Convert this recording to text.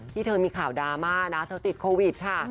ที่เธอมีข่าวดราม่านะเธอติดโควิดค่ะ